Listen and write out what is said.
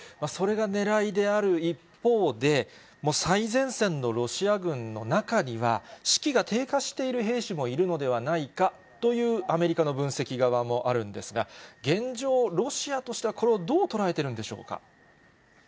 それがねらいである一方で、最前線のロシア軍の中には、士気が低下している兵士もいるのではないかというアメリカの分析側もあるんですが、現状、ロシアとしてはこれをどう捉えているんでしょうか。